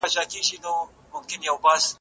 که سوله وي نو پرمختګ شونی دی.